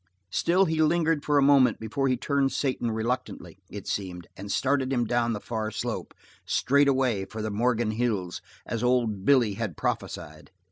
Still he lingered for a moment before he turned Satan reluctantly, it seemed, and started him down the far slope, straightaway for the Morgan Hills as old Billy had prophesied.